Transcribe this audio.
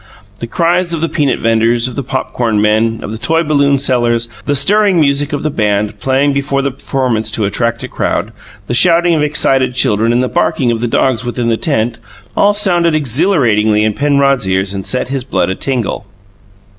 The cries of the peanut vendors, of the popcorn men, of the toy balloon sellers, the stirring music of the band, playing before the performance to attract a crowd, the shouting of excited children and the barking of the dogs within the tent, all sounded exhilaratingly in Penrod's ears and set his blood a tingle.